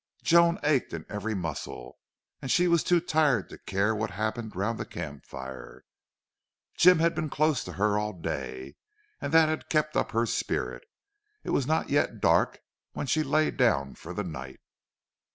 Joan ached in every muscle and she was too tired to care what happened round the camp fire. Jim had been close to her all day and that had kept up her spirit. It was not yet dark when she lay down for the night.